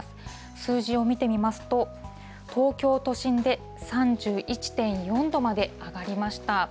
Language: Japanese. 数字を見てみますと、東京都心で３１．４度まで上がりました。